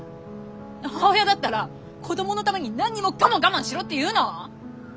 母親だったら子供のために何もかも我慢しろっていうの？